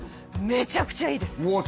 めちゃくちゃいいですうわ